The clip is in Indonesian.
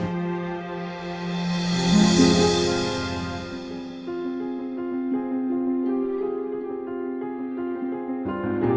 orang yang tadi siang dimakamin